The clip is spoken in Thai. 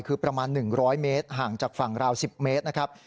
คือประมาณ๑๐๐เมตรห่างจากฝั่งราว๑๐เมตรนะครับ